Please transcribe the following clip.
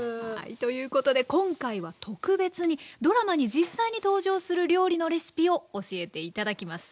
ということで今回は特別にドラマに実際に登場する料理のレシピを教えて頂きます。